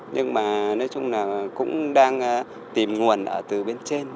nhưng mà nói chung là cũng đang tìm nguồn ở từ bên trên